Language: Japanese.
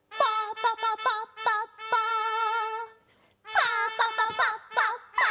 パパパパッパッパ。